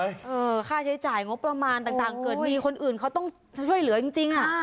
เออค่าใช้จ่ายงบประมาณต่างเกิดมีคนอื่นเขาต้องช่วยเหลือจริงอ่ะ